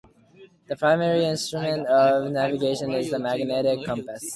The primary instrument of navigation is the magnetic compass.